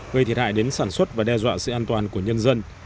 gây thiệt hại đến sản xuất và đe dọa sự an toàn của nhân dân